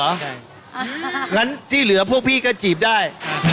งั้นที่เหลือพวกพี่ก็จีบได้